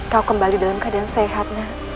kau kembali dalam keadaan sehat nak